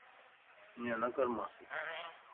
اينيَ نڪر مانسين